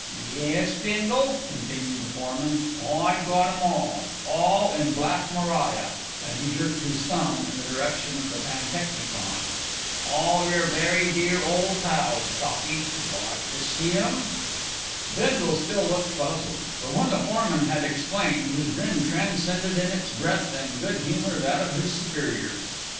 "Yes, Bindle," continued the foreman, "I've got 'em all all in Black Maria," and he jerked his thumb in the direction of the pantechnicon. "All yer very dear ole pals, cockie. Like to see 'em?" Bindle still looked puzzled; but when the foreman had explained his grin transcended in its breadth and good humour that of his superior.